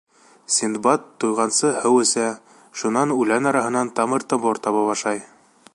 Синдбад туйғансы һыу эсә, шунан үлән араһынан тамыр-томор табып ашай.